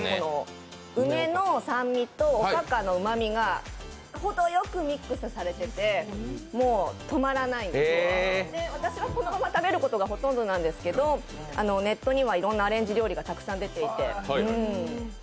梅の酸味とおかかのうまみが程良くミックスされていてもう止まらないんです私は、このまま食べることがほとんどなんですけど、ネットにはいろんなアレンジ料理がたくさん出ていて。